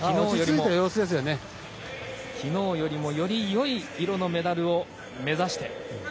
きのうよりもよりよい色のメダルを目指して。